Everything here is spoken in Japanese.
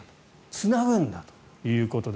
つなぐんだとということです。